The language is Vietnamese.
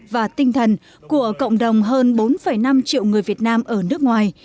và tinh thần của cộng đồng hơn bốn năm triệu người việt nam ở nước ngoài